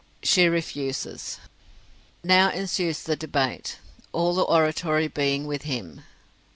She refuses. Now ensues the debate, all the oratory being with him.